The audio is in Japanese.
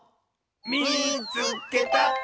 「みいつけた！」。